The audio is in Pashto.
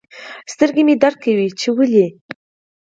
سترګي مي درد کوي چي ولي